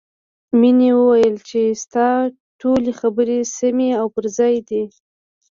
مینې وویل چې ستا ټولې خبرې سمې او پر ځای دي